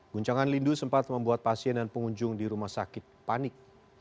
guncangan lindu sempat membuat pasien dan pengunjung di rumah sakit panik